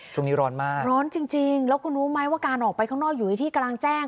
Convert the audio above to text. ช่วงนี้ร้อนมากร้อนจริงแล้วคุณรู้ไหมว่าการออกไปข้างนอกอยู่ในที่กำลังแจ้ง